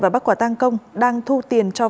và bắt quả tăng công đang thu tiền